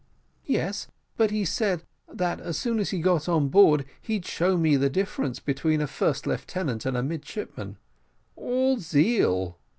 "Yes, but he said, that as soon as he got on board, he'd show me the difference between a first lieutenant and a midshipman." "All zeal."